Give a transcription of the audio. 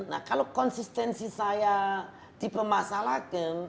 nah kalau konsistensi saya dipermasalahkan